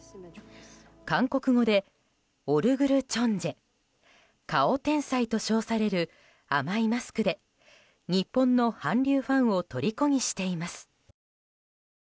韓国語で、オルグルチョンジェ顔天才と称される甘いマスクで日本の韓流ファンをとりこにしています。